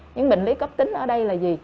những bệnh lý cấp tính ở đây là gì